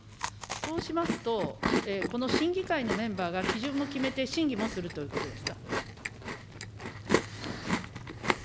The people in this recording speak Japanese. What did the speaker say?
そうしますと、この審議会のメンバーが基準も決めて審議もするということですか。